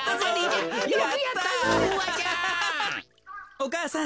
お母さん。